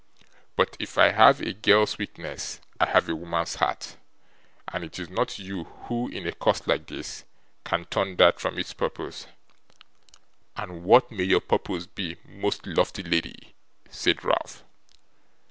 But if I have a girl's weakness, I have a woman's heart, and it is not you who in a cause like this can turn that from its purpose.' 'And what may your purpose be, most lofty lady?' said Ralph.